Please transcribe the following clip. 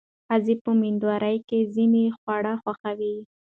ښځې په مېندوارۍ کې ځینې خواړه خوښوي.